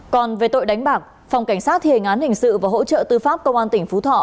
còn về tội đánh bạc phòng cảnh sát thề ngán hình sự và hỗ trợ tư pháp công an tỉnh phú thọ